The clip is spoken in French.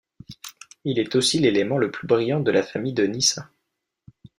Il est aussi l'élément le plus brillant de la famille de Nysa.